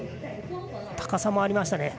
高さもありました。